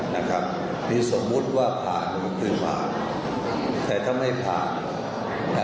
ในสมมุติว่าผ่านที่พาเศร้าแต่ถ้าไม่ผ่าน